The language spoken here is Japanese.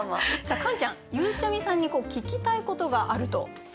カンちゃんゆうちゃみさんに聞きたいことがあると。